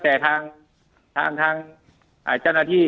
แต่คุณยายจะขอย้ายโรงเรียน